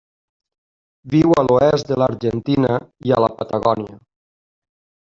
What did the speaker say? Viu a l'oest de l'Argentina i a la Patagònia.